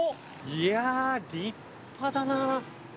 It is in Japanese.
いやあ、立派だな。